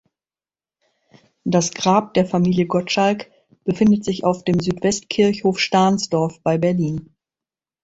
Das Grab der Familie Gottschalk befindet sich auf dem Südwestkirchhof Stahnsdorf bei Berlin.